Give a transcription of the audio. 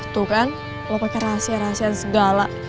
tuh kan lo pakai rahasia rahasia segala